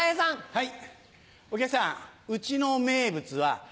はい。